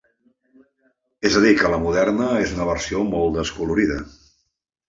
És a dir, que la moderna és una versió molt descolorida.